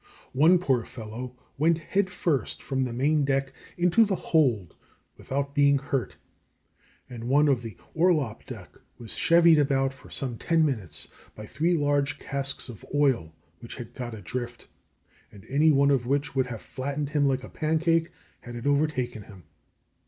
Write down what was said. One poor fellow went head first from the main deck into the hold without being hurt, and one on the orlop deck was "chevied" about for some ten minutes by three large casks of oil which had got adrift, and any one of which would have flattened him like a pancake had it overtaken him.